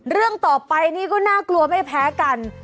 เรื่องต่อไปนี่ก็น่ากลัวไม่แพ้กัน